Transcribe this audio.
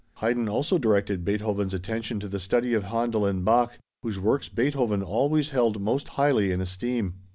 Haydn also directed Beethoven's attention to the study of Händel and Bach, whose works Beethoven always held most highly in esteem.